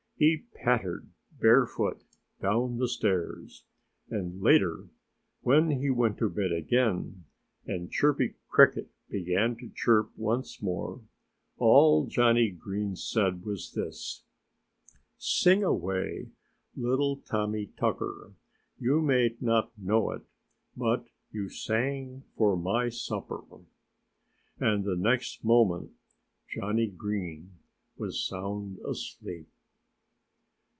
He pattered barefooted down the stairs. And later, when he went to bed again, and Chirpy Cricket began to chirp once more, all Johnnie Green said was this: "Sing away little Tommy Tucker! You may not know it, but you sang for my supper!" And the next moment, Johnnie Green was sound asleep.